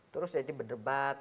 terus jadi berdebat